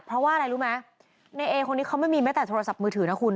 เพราะว่าอะไรรู้ไหมในเอคนนี้เขาไม่มีแม้แต่โทรศัพท์มือถือนะคุณ